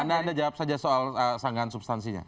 anda jawab saja soal sanggahan substansinya